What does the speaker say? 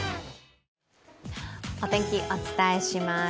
お天気、お伝えします。